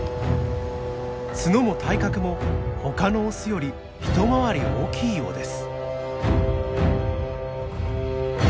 角も体格も他のオスより一回り大きいようです。